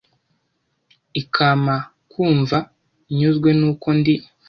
ikama kumva nyuzwe n’uko ndi